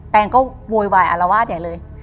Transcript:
แปงก็โวยวายอลวาดอย่างเลย